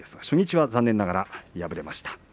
初日は残念ながら敗れました。